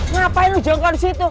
ngapain lo jongkok di situ